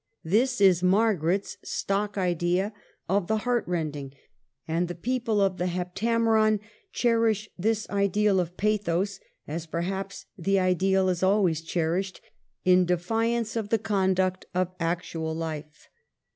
This is Margaret's stock idea of the heart rending ; and the people of the *' Heptameron " cherish this ideal of pathos (as perhaps the ideal is always cherished) in defi ance of the conduct of actual life.